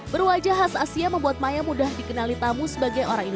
berwajah khas asia membuat maya mudah dikenali tamu sebagai orang indonesia